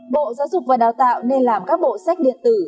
bộ giáo dục và đào tạo nên làm các bộ sách điện tử